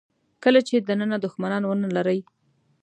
کله چې دننه دوښمنان ونه لرئ.